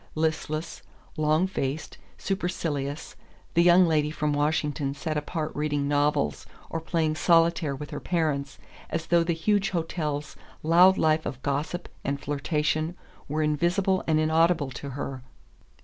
Listless, long faced, supercilious, the young lady from Washington sat apart reading novels or playing solitaire with her parents, as though the huge hotel's loud life of gossip and flirtation were invisible and inaudible to her.